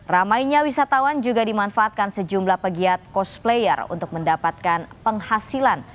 ramainya wisatawan juga dimanfaatkan sejumlah pegiat cosplayer untuk mendapatkan penghasilan